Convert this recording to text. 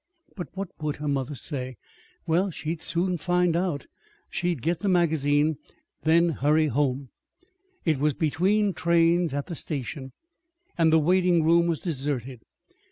But what would her mother say? Well, she would soon know. She would get the magazine, then hurry home and find out. It was between trains at the station, and the waiting room was deserted.